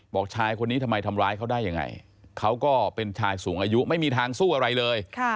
ชายคนนี้ทำไมทำร้ายเขาได้ยังไงเขาก็เป็นชายสูงอายุไม่มีทางสู้อะไรเลย